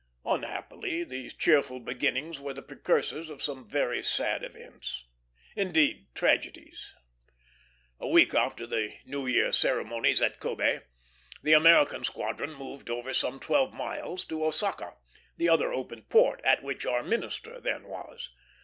Unhappily, these cheerful beginnings were the precursors of some very sad events; indeed, tragedies. A week after the New Year ceremonies at Kobé, the American squadron moved over some twelve miles to Osaka, the other opened port, at which our minister then was.